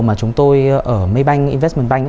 mà chúng tôi ở maybank investment bank